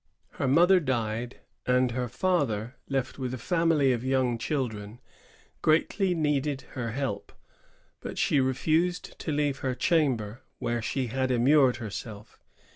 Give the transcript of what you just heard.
Her mother died, and her father, left with a family of young children, greatly needed her help; but she refused to leave her chamber where she had immured herself.